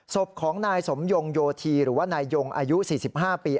ศพของนายสมยงโยธีหรือว่านายยงอายุ๔๕ปี